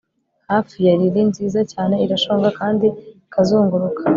Hafi ya lili nziza cyane irashonga kandi ikazunguruka